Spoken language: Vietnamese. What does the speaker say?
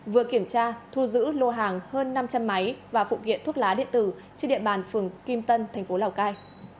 vừa kiểm tra thu giữ lô hàng hơn năm trăm linh máy và phụ kiện thuốc lá điện tử trên địa bàn phường kim tân thành phố lào cai